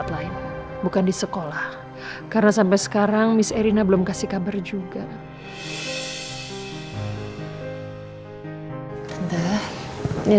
tentu sendiri saya harus terus kesi memburamente dari suaminya